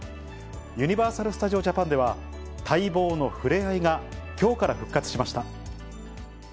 ユニバーサル・スタジオ・ジャパンでは、待望の触れ合いがきょうから復活しました。